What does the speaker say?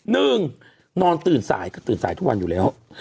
นอนตื่นสายก็ตื่นสายทุกวันอยู่แล้ว